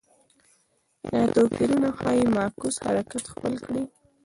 دا توپیرونه ښايي معکوس حرکت خپل کړي